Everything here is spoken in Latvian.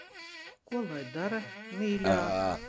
Ko lai dara, mīļā.